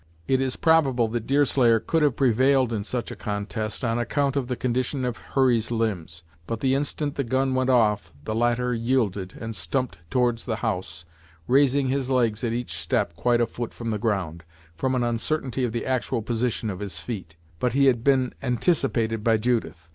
It is probable that Deerslayer could have prevailed in such a contest, on account of the condition of Hurry's limbs, but the instant the gun went off, the latter yielded, and stumped towards the house, raising his legs at each step quite a foot from the ground, from an uncertainty of the actual position of his feet. But he had been anticipated by Judith.